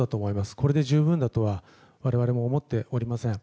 これで十分だとは我々も思っておりません。